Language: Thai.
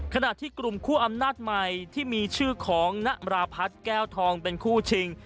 ขณะที่กลุ่มคู่อำนาจใหม่ที่มีชื่อของนราพัฒน์แก้วทองเป็นคู่ชิง